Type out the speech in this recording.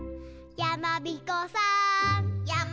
「やまびこさーん」